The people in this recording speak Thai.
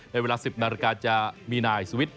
เวลา๑๐นาฬิกาจะมีนายสุวิทย์